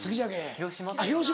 ・広島？